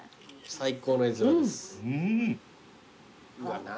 最高の絵面です。